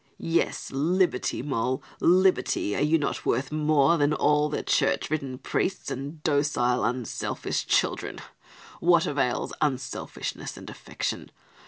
"Yes, liberty, Moll, liberty. Are you not worth more than all their church ridden priests and docile unselfish children? What avails unselfishness and affection?